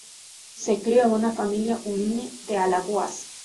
Se crio en una familia humilde de Alagoas.